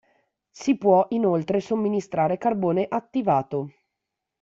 Si può inoltre somministrare carbone attivato.